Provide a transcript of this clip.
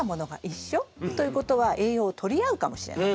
ということは栄養を取り合うかもしれない。